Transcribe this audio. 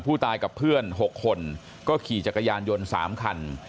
ผู้ตายกับเพื่อน๖คนก็ขี่จักรยานยนต์๓คัน